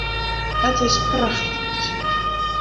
It is prachtich om te sjen.